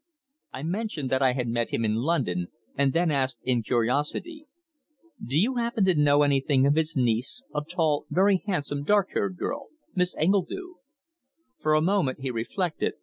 I mentioned that I had met him in London, and then asked in curiosity: "Do you happen to know anything of his niece, a tall, very handsome, dark haired girl, Miss Engledue?" For a moment he reflected.